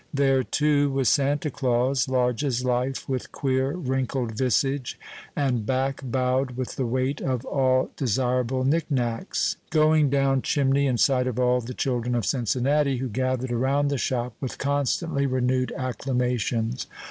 There, too, was Santa Claus, large as life, with queer, wrinkled visage, and back bowed with the weight of all desirable knickknacks, going down chimney, in sight of all the children of Cincinnati, who gathered around the shop with constantly renewed acclamations.